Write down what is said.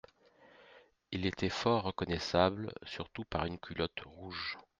Il était fort reconnaissable, surtout par une culotte rouge.